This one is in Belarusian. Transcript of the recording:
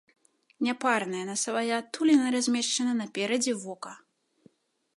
Няпарная насавая адтуліна размешчана наперадзе вока.